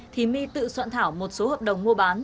thì my tự soạn thảo một số hợp đồng mua bán